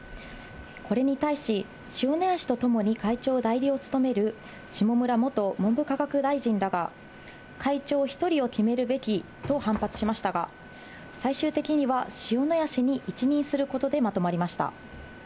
これに対し、塩谷氏と共に会長代理を務める下村元文部科学大臣らが、会長１人を決めるべきと反発しましたが、最終的には塩谷氏に一任することでまとまりました。